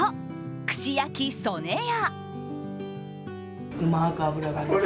串焼き・曽根屋。